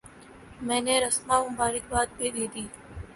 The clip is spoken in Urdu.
میں نے رسما مبارکباد پہ دے دی۔